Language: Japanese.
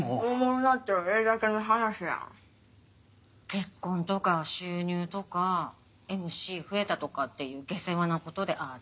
結婚とか収入とかＭＣ増えたとかっていう下世話なことでああだ